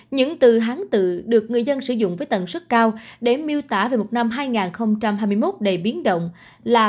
những từ hán tự được người dân sử dụng với tần suất cao để miêu tả về một năm hai nghìn hai mươi một đầy biến động là